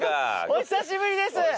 お久しぶりです